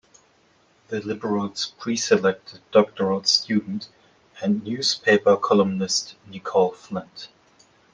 The Liberals preselected doctoral student and newspaper columnist Nicolle Flint.